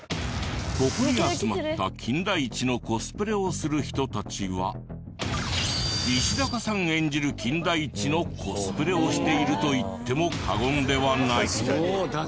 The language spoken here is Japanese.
ここに集まった金田一のコスプレをする人たちは石坂さん演じる金田一のコスプレをしているといっても過言ではない。